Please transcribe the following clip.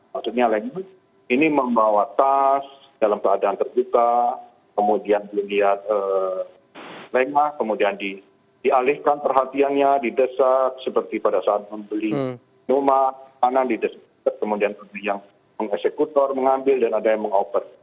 maksudnya lengah ini membawa tas dalam keadaan terbuka kemudian beli yang lengah kemudian dialihkan perhatiannya didesak seperti pada saat membeli rumah kemudian yang meng eksekutor mengambil dan ada yang meng oper